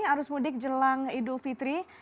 arus mudik jelang idul fitri